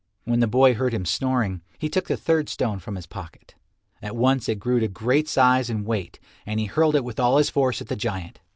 When the boy heard him snoring, he took the third stone from his pocket. At once it grew to great size and weight, and he hurled it with all his force at the giant.